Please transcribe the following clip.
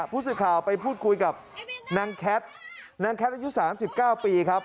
ผู้สื่อข่าวไปพูดคุยกับนางแคทนางแคทอายุ๓๙ปีครับ